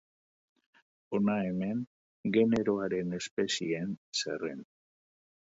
Hona hemen generoaren espezieen zerrenda.